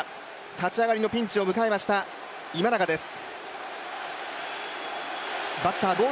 立ち上がりのピンチを迎えました今永です。